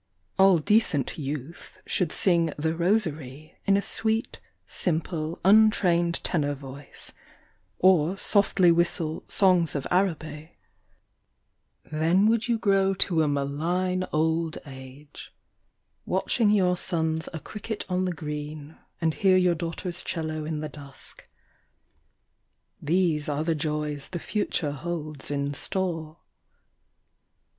All decent youth should sing ' the Rosary ' In a sweet, simple, untrained tenor voice, Or softly whistle ' Songs of Araby ':— Then would you grow to a malign old age, M843270 Watching your sons a cricket on the green Anil hear your daughter's cello in the dusk. These are the joys the future holds in store.